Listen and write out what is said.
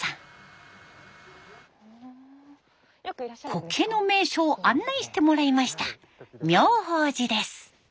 コケの名所を案内してもらいました。